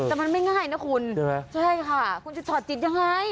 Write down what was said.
แต่มันไม่ง่ายนะคุณใช่ไหมใช่ค่ะคุณจะถอดจิตยังไง